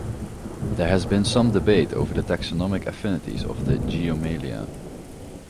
There has been some debate over the taxonomic affinities of the geomalia.